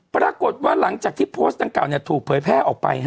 ปรากฏว่าหลังจากที่โพสต์ดังกล่าถูกเผยแพร่ออกไป